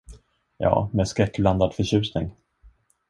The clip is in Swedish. Ja, med skräckblandad förtjusning.